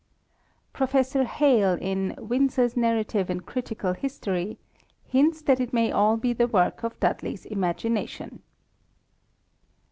Professor Hale, in Winsor's Narrative and Critical History, hints that it may all be the work of Dudley's imagination.